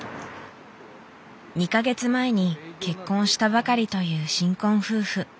２か月前に結婚したばかりという新婚夫婦。